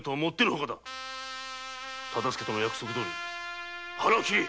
忠相との約束どおり腹を切れ！